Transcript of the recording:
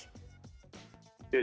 seperti apa coach